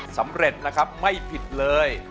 สำเร็จนะครับไม่ผิดเลย